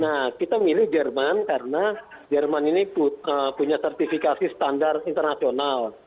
nah kita milih jerman karena jerman ini punya sertifikasi standar internasional